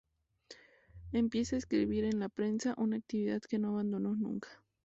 Empieza a escribir en la prensa, una actividad que no abandonó nunca.